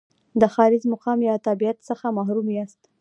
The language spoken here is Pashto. د ښاریز مقام یا تابعیت څخه محروم یاست.